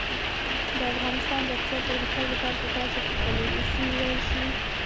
د افغانستان د اقتصادي پرمختګ لپاره پکار ده چې بلوڅي وویل شي.